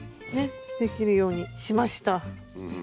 できるようにしました。